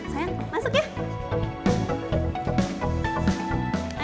sayang masuk ya